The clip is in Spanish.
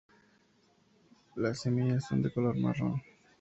Las semillas son de color marrón.